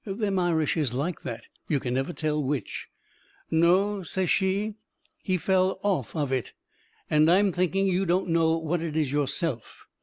Them Irish is like that, you can never tell which. "No," says she, "he fell off of it. And I'm thinking you don't know what it is yourself."